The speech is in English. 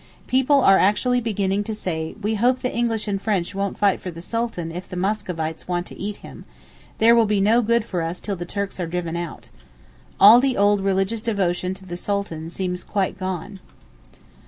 People are actually beginning to say 'We hope the English and French won't fight for the Sultan if the Moscovites want to eat him—there will be no good for us till the Turks are driven out.' All the old religious devotion to the Sultan seems quite gone.